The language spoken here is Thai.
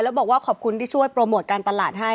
แล้วบอกว่าขอบคุณที่ช่วยโปรโมทการตลาดให้